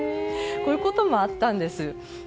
こういうこともあったんです。